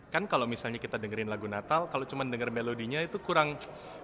kan kalau misalnya kita dengerin lagu natal kalau cuma denger melodinya itu kurang banyak lagi ya